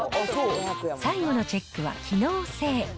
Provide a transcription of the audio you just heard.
最後のチェックは機能性。